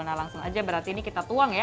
nah langsung aja berarti ini kita tuang ya